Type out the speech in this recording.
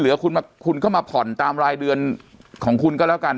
เหลือคุณมาคุณก็มาผ่อนตามรายเดือนของคุณก็แล้วกัน